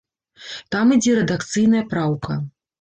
Там ідзе рэдакцыйная праўка.